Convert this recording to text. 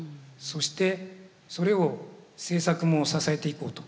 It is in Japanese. そしてそれを政策も支えていこうと。